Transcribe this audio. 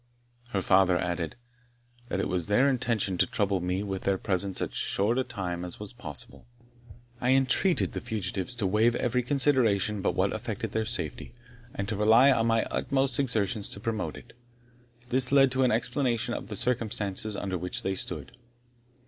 Her father added, "that it was their intention to trouble me with their presence as short a time as was possible." I entreated the fugitives to waive every consideration but what affected their safety, and to rely on my utmost exertions to promote it. This led to an explanation of the circumstances under which they stood.